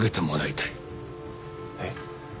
えっ？